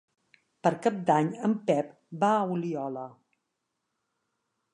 Per Cap d'Any en Pep va a Oliola.